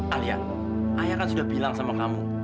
alia ayah kan sudah bilang sama kamu